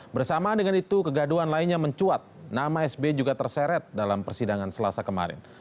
bersama dengan itu kegaduhan lainnya mencuat nama sbi juga terseret dalam persidangan selasa kemarin